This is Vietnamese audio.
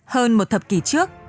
hơn một thập kỷ trước